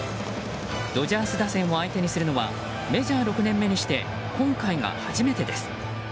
ドジャース打線を相手にするのはメジャー６年目にして今回が初めてです。